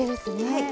はい。